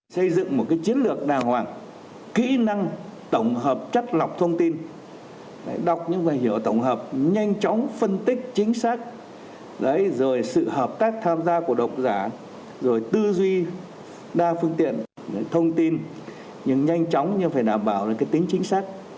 xây dựng một chiến lược đàng hoàng kỹ năng tổng hợp chất lọc thông tin đọc những bài hiểu tổng hợp nhanh chóng phân tích chính xác rồi sự hợp tác tham gia của độc giả rồi tư duy đa phương tiện thông tin nhưng nhanh chóng nhưng phải đảm bảo tính chính xác